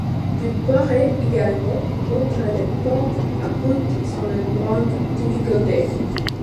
Vous pourrez également monter des pentes abruptes sans la moindre difficulté.